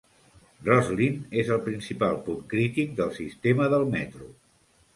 Rosslyn és el principal punt crític del sistema del Metro.